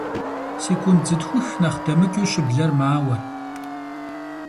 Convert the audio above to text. Секунд зытхух нэхъ дэмыкӀыу щыблэ мауэ.